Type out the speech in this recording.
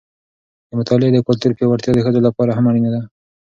د مطالعې د کلتور پیاوړتیا د ښځو لپاره هم اړینه ده.